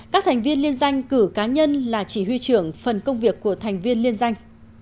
các thành viên liên danh cử cá nhân là chỉ huy trưởng phần công việc của thành viên liên danh